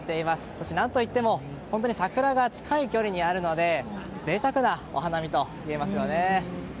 そして何といっても桜が近い距離にあるので贅沢なお花見といえますよね。